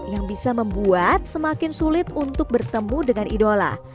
yang bisa membuat semakin sulit untuk bertemu dengan idola